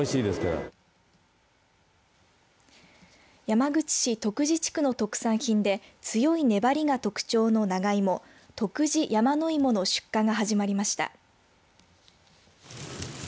山口市徳地地区の特産品で強い粘りが特徴の長芋徳地やまのいもの出荷が始まりました。